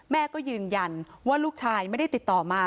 แม่ก็ยืนยันว่าลูกชายไม่ได้ติดต่อมา